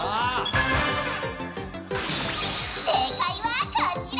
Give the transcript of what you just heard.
正解はこちら。